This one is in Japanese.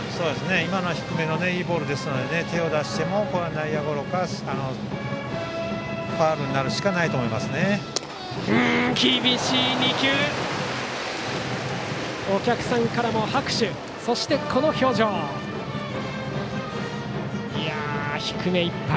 今のは低めのいいボールなので手を出しても内野ゴロかファウルになるしかないと厳しい２球。